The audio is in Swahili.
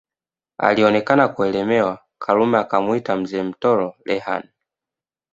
Alionekana kuelemewa Karume akamwita Mzee Mtoro Rehani